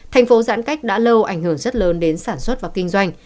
thành phố giãn cách đã lâu ảnh hưởng rất lớn đến sản xuất và kinh doanh